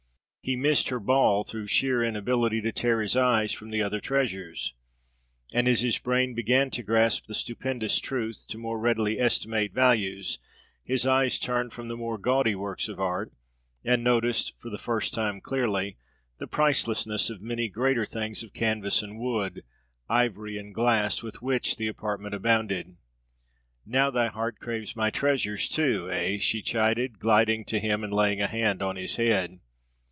He missed her ball through sheer inability to tear his eyes from the other treasures. And as his brain began to grasp the stupendous truth, to more readily estimate values, his eyes turned from the more gaudy works of art, and noticed, for the first time clearly, the pricelessness of many greater things of canvas and wood, ivory and glass, with which the apartment abounded. "Now thy heart craves my treasures, too, eh?" she chided, gliding to him and laying a hand on his head.